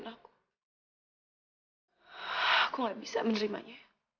aku gak bisa menerimanya